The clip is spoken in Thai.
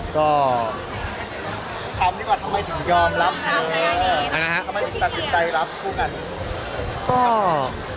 ก็ทำดีกว่าทำไมถึงยอมรับทำไมถึงตัดสินใจรับคู่กัน